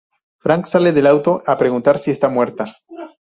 Frank sale del auto, a preguntar si está muerta.